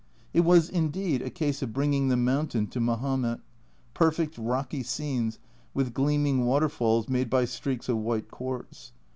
It was indeed a case of bringing the mountain to Mahomet perfect rocky scenes, with gleaming waterfalls made by streaks of white quartz.